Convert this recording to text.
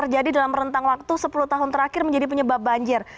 jadi dalam rentang waktu sepuluh tahun terakhir menjadi penyebab banjir